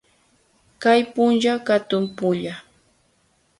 Kay punlla katun pulla.